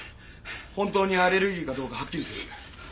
本当にアレルギーかどうかはっきりする。